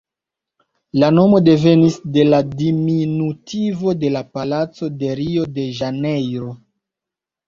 La nomo devenis de la diminutivo de la palaco en Rio-de-Ĵanejro.